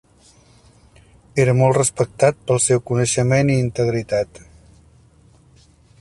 Era molt respectat pel seu coneixement i integritat.